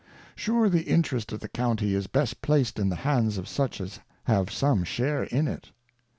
' Sure the Interest of the County is best placed in the hands of such as have some share in it.